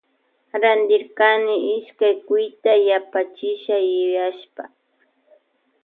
Rantirkni ishkay cuyta yapachisha yuyashpa.